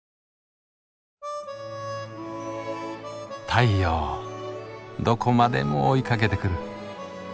太陽どこまでも追いかけてくる。